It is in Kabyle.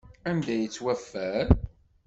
Anda i yettwaffer?